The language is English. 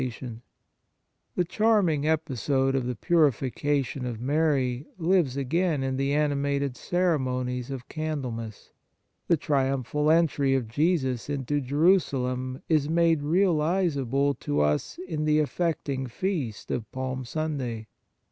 The 45 On the Exercises of Piety charming episode of the Purification of Mary lives again in the animated ceremonies of Candlemas ; the trium phal entry of Jesus into Jerusalem is made realizable to us in the affecting feast of Palm Sunday.